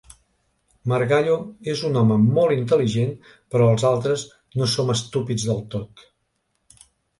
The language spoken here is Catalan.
Margallo és un home molt intel·ligent, però els altres no som estúpids del tot.